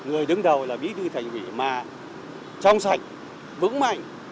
người đứng đầu là bí thư thành ủy mà trong sạch vững mạnh